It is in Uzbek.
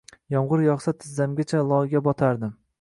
Yomg’ir yog’sa, tizzamgacha loyga botardim.